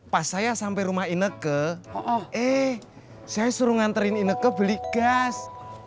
pas saya sampai rumah ineke eh saya suruh nganterin ineke beli gas